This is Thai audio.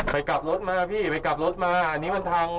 ไปกลับรถมาพี่ไปกลับรถมาอันนี้มันทาง